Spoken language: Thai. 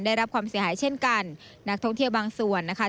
ได้รับความเสียหายเช่นกันนักท่องเที่ยวบางส่วนนะคะ